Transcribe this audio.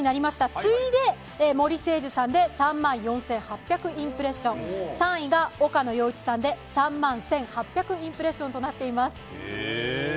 次いでもりせいじゅさんで３万４８００インプレッション３位が岡野陽一さんで３万１８００インプレッションとなっています。